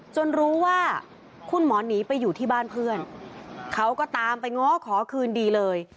รู้ว่าคุณหมอหนีไปอยู่ที่บ้านเพื่อนเขาก็ตามไปง้อขอคืนดีเลย